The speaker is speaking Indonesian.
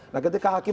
nah ketika hakim